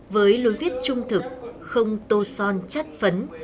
với lối viết trung thực không tô son chất phấn